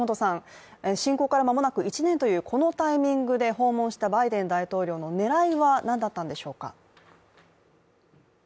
侵攻からまもなく１年というこのタイミングで訪問したバイデン大統領の狙いは何だったんでしょうか？